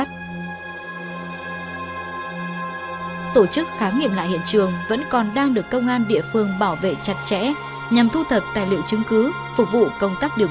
tổ chức khám nghiệm lại hiện trường vẫn còn đang được công an địa phương bảo vệ chặt chẽ nhằm thu thập tài liệu chặt chẽ